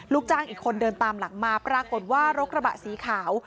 ลูกจ้างอีกคนเดินตามหลังมาปรากฏว่ารถกระบะสีขาว